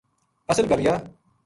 اصل گل یاہ